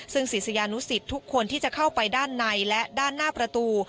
ซึ่งศิษยานุสิตทุกคนที่จะเข้าไปด้านในและด้านหน้าประตู